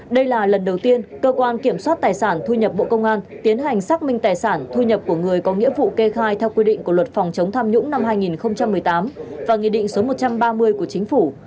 đây là lần đầu tiên cơ quan kiểm soát tài sản thu nhập bộ công an tiến hành xác minh tài sản thu nhập của người có nghĩa vụ kê khai theo quy định của luật phòng chống tham nhũng năm hai nghìn một mươi tám và nghị định số một trăm ba mươi của chính phủ